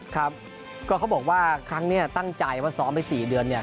ครับก็เขาบอกว่าครั้งนี้ตั้งใจว่าซ้อมไป๔เดือนเนี่ย